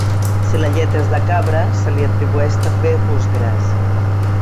Si la llet és de cabra, se li atribueix també gust gras.